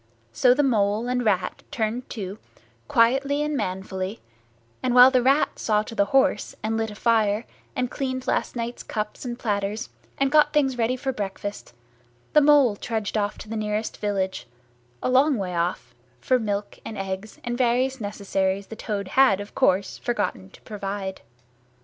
So the Mole and Rat turned to, quietly and manfully, and while the Rat saw to the horse, and lit a fire, and cleaned last night's cups and platters, and got things ready for breakfast, the Mole trudged off to the nearest village, a long way off, for milk and eggs and various necessaries the Toad had, of course, forgotten to provide.